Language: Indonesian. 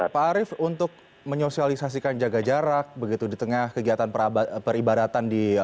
pak arief untuk menyosialisasikan jaga jarak begitu di tengah kegiatan peribadatan di